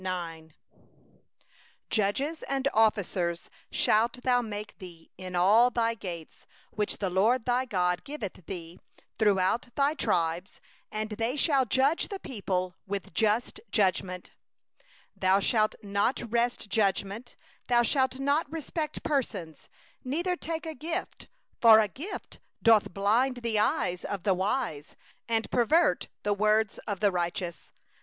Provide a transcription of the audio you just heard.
..... 18Judges and officers shalt thou make thee in all thy gates, which the LORD thy God giveth thee, tribe by tribe; and they shall judge the people with righteous judgment. 19Thou shalt not wrest judgment; thou shalt not respect persons; neither shalt thou take a gift; for a gift doth blind the eyes of the wise, and pervert the words of the righteous.